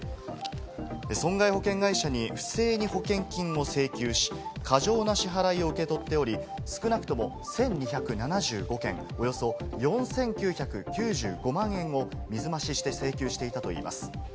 損害保険会社に不正に保険金を請求し、過剰な支払いを受け取っており、少なくとも１２７５件、およそ４９９５万円を水増しして請求していたといいます。